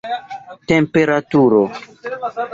temperaturo